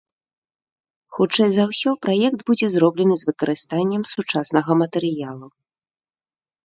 Хутчэй за ўсё, праект будзе зроблены з выкарыстаннем сучаснага матэрыялу.